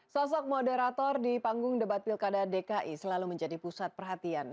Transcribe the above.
sosok moderator di panggung debat pilkada dki selalu menjadi pusat perhatian